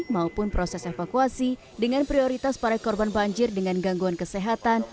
maupun proses evakuasi dengan prioritas para korban banjir dengan gangguan kesehatan